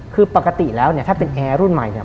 คือปกติแล้วเนี่ยถ้าเป็นแอร์รุ่นใหม่เนี่ย